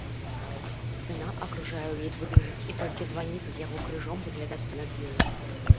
Сцяна акружае ўвесь будынак, і толькі званіца з яго крыжом выглядаць па-над ёю.